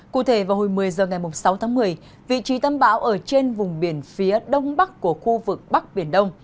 cụ thể vào hồi một mươi h ngày sáu tháng một mươi vị trí tâm bão ở trên vùng biển phía đông bắc của khu vực bắc biển đông